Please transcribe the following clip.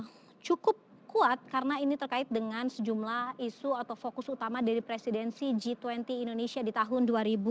yang cukup kuat karena ini terkait dengan sejumlah isu atau fokus utama dari presidensi g dua puluh indonesia di tahun dua ribu dua puluh